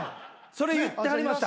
それ言ってはりました。